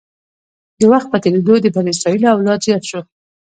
د وخت په تېرېدو د بني اسرایلو اولاد زیات شو.